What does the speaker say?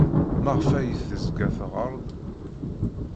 Maɣef ay tezga teɣɣar-d?